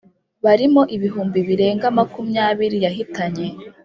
barimo ibihumbi birenga makumyabiri yahitanye.